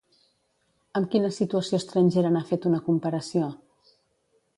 Amb quina situació estrangera n'ha fet una comparació?